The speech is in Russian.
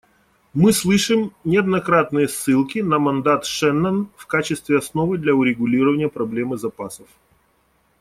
Мы слышим неоднократные ссылки на мандат Шеннон в качестве основы для урегулирования проблемы запасов.